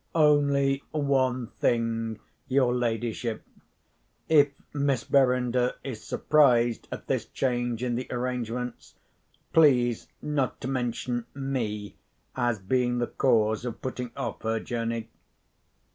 "Only one thing, your ladyship. If Miss Verinder is surprised at this change in the arrangements, please not to mention Me as being the cause of putting off her journey."